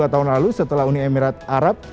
dua tahun lalu setelah uni emirat arab